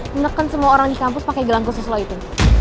menekan semua orang di kampus pakai gelang khusus loh itu